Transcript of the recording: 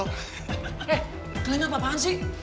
eh kalian apa apaan sih